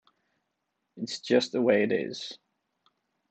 It's just the way it is.